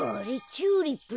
チューリップだ。